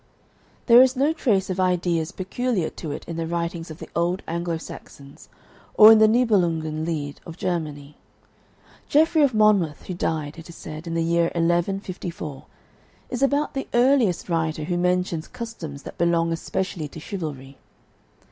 There is no trace of ideas peculiar to it in the writings of the old Anglo Saxons or in the Nibelungen Lied of Germany. Geoffrey of Monmouth, who died, it is said, in the year 1154, is about the earliest writer who mentions customs that belong especially to chivalry.